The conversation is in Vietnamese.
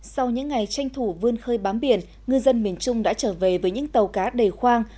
sau những ngày tranh thủ vươn khơi bám biển ngư dân miền trung đã trở về với những tàu cá đầy khoang